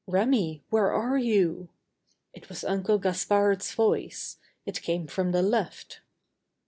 "Remi, where are you?" It was Uncle Gaspard's voice; it came from the left.